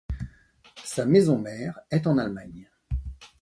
Sa maison mère est en Allemagne.